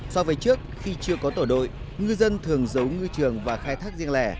so với trước khi chưa có tổ đội ngư dân thường giấu ngư trường và khai thác riêng lẻ